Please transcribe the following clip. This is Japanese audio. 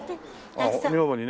女房にね。